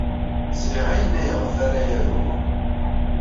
Sriɣ ayen ayɣef ara aruɣ.